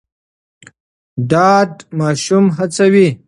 ډاډ ماشوم هڅوي.